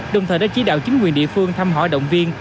đồng thời đã chí đạo chính quyền địa phương thăm họ động viên